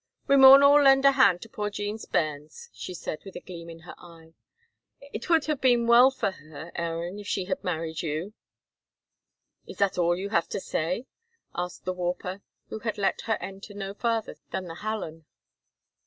"We maun all lend a hand to poor Jean's bairns," she said, with a gleam in her eye. "It would have been well for her, Aaron, if she had married you." "Is that all you have to say?" asked the warper, who had let her enter no farther than the hallan.